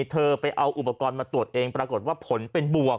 เธอไปเอาอุปกรณ์มาตรวจเองปรากฏว่าผลเป็นบวก